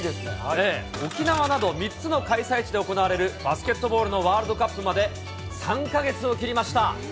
沖縄など、３つの開催地で行われるバスケットボールのワールドカップまで３か月を切りました。